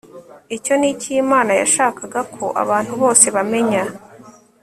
icyo ni cyo imana yashakaga ko abantu bose bamenya